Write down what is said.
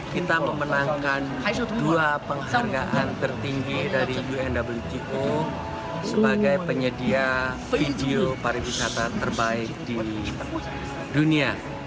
kita memenangkan dua penghargaan tertinggi dari unwto sebagai penyedia video pariwisata terbaik di dunia